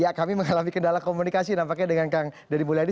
ya kami mengalami kendala komunikasi nampaknya dengan kang deddy mulyadi